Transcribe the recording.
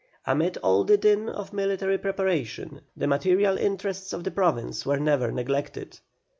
Amid all the din of military preparation the material interests of the Province were not neglected.